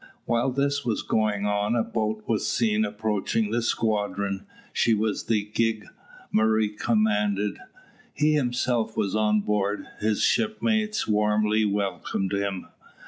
While this was going on, a boat was seen approaching the squadron. She was the gig Murray commanded. He himself was on board. His shipmates warmly welcomed him.